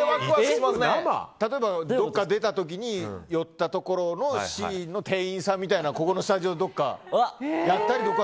例えば、どこかに出た時に寄ったところのシーンの店員さんみたいなここのスタジオのどこかがやったりとか。